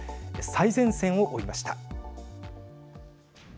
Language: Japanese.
最前線を追いました。